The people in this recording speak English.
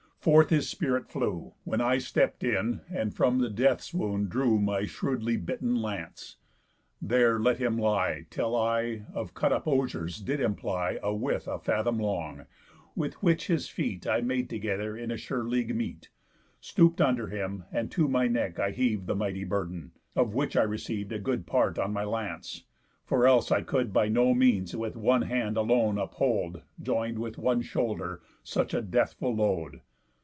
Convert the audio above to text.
Forth his spirit flew; When I stept in, and from the death's wound drew My shrewdly bitten lance; there let him lie Till I, of cut up osiers, did imply A withe a fathom long, with which his feet I made together in a sure league meet, Stoop'd under him, and to my neck I heav'd The mighty burden, of which I receiv'd A good part on my lance, for else I could By no means with one hand alone uphold (Join'd with one shoulder) such a deathful load.